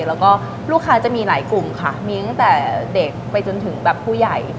แล้วก็ลูกค้าจะมีหลายกลุ่มค่ะมีตั้งแต่เด็กไปจนถึงแบบผู้ใหญ่